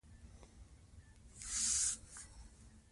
موزیک د میندې لالې دی.